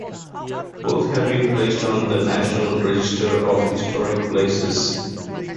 Both have been placed on the National Register of Historic Places.